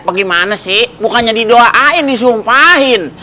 bagaimana sih bukannya didoain disumpahin